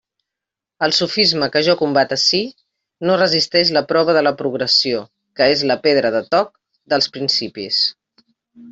El sofisma que jo combat ací no resisteix la prova de la progressió, que és la pedra de toc dels principis.